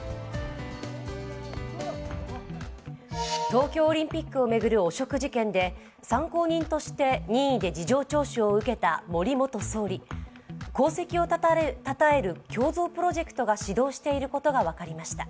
東京オリンピックを巡る汚職事件で参考人として任意で事情聴取を受けた森元総理功績をたたえる胸像プロジェクトが始動していることが分かりました。